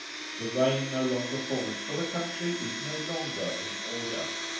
The rain no longer falls, for the country is no longer in order.